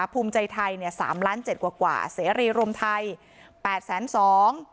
ภูมิใจไทยเนี่ยสามล้านเจ็ดกว่ากว่าเสรีรวมไทยแปดแสนสอง